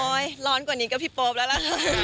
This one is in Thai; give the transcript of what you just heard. ร้อนกว่านี้ก็พี่โป๊ปแล้วล่ะ